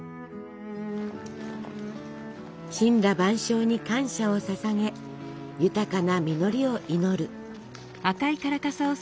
森羅万象に感謝をささげ豊かな実りを祈る。